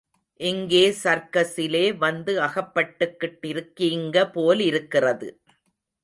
இங்கே சர்க்கஸிலே வந்து அகப்பட்டுக்கிட்டிருக்கீங்க போலிருக்கிறது.